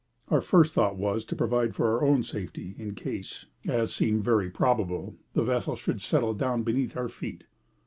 Our first thought was to provide for our own safety in case as seemed very probable the vessel should settle down beneath our feet.